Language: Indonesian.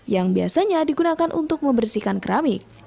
yang biasanya digunakan untuk membersihkan keramik